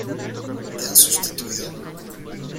¿ Te han sustituido?